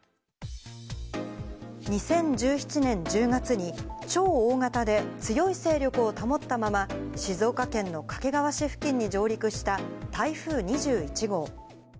２０１７年１０月に、超大型で強い勢力を保ったまま、静岡県の掛川市付近に上陸した台風２１号。